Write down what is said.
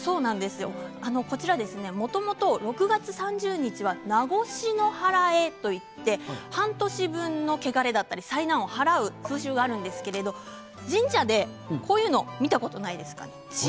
もともと６月３０日は夏越しの祓といって半年分の汚れだったり災難を払う風習があるんですけど神社でこういうの見たことないですか？